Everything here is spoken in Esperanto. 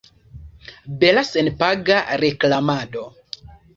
Bela senpaga reklamado.